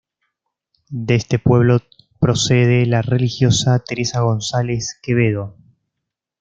De este pueblo procede la religiosa Teresa González Quevedo.